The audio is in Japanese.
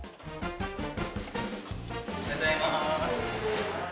おはようございます。